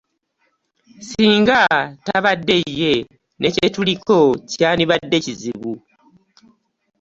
Ssinga tabadde ye ne kye tuliko kyandibadde kizibu.